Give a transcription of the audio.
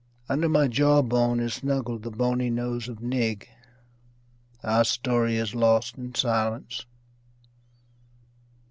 Under my jaw bone is snuggled the bony nose of Nig Our story is lost in silence.